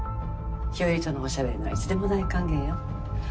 日和とのおしゃべりならいつでも大歓迎よ。